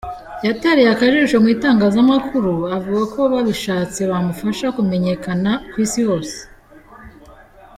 Yatereye akajisho mu itangazamakuru avuga ko babishatse bamufasha kumenyekana ku isi yose.